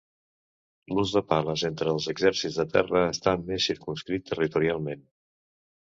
L'ús de pales entre els exèrcits de terra està més circumscrit territorialment.